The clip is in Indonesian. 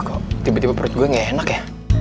kok tiba tiba perut gue gak enak ya